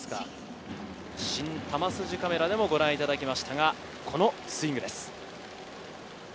新・球筋カメラでもご覧いただきました、このスイングです。